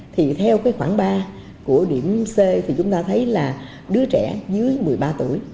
theo khoảng ba của điểm c chúng ta thấy là đứa trẻ dưới một mươi ba tuổi